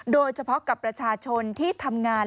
โดยเฉพาะกับประชาชนที่ทำงาน